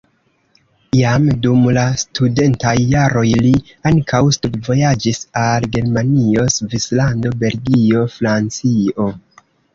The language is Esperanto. Jam dum la studentaj jaroj li ankaŭ studvojaĝis al Germanio, Svislando, Belgio, Francio.